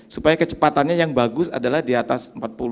supaya kecepatannya yang bagus adalah di atas empat puluh